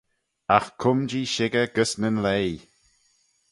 Agh cum-jee shickyr gys nyn leigh.